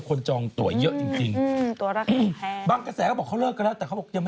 คนจองเยอะเนาะเป็น